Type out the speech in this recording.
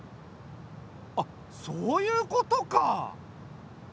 あっそういうことか！